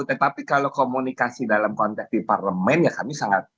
tetapi kalau komunikasi dalam konteks di parlemen ya kami sangat